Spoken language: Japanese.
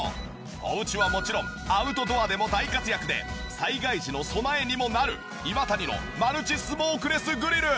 おうちはもちろんアウトドアでも大活躍で災害時の備えにもなるイワタニのマルチスモークレスグリル。